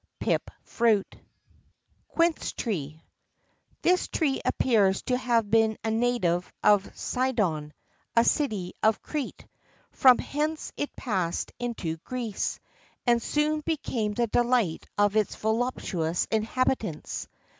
PIP FRUIT. QUINCE TREE. This tree appears to have been a native of Cydon, a city of Crete; from hence it passed into Greece,[XIII 1] and soon became the delight of its voluptuous inhabitants.